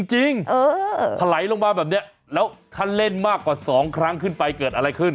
ถลายลงมาแบบนี้แล้วถ้าเล่นมากกว่า๒ครั้งขึ้นไปเกิดอะไรขึ้น